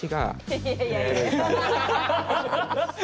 いやいやいや。